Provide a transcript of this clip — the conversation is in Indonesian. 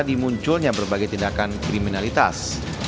dimunculnya berbagai tindakan kriminalitas